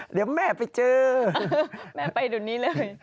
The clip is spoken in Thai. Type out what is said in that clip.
เดี๋ยวแม่ไปเจอแม่ไปเดี๋ยวนี้เลย